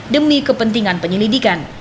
demi kepentingan penyelidikan